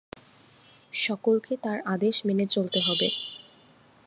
সকলকে তাঁর আদেশ মেনে চলতে হবে।